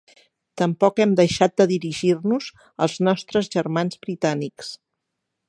Tampoc Hem deixat de dirigir-nos als nostres germans Britànics.